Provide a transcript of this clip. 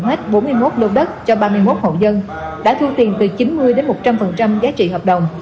hết bốn mươi một lô đất cho ba mươi một hộ dân đã thu tiền từ chín mươi đến một trăm linh giá trị hợp đồng